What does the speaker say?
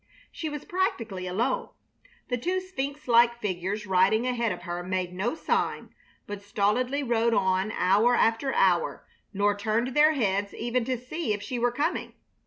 She was practically alone. The two sphinx like figures riding ahead of her made no sign, but stolidly rode on hour after hour, nor turned their heads even to see if she were coming.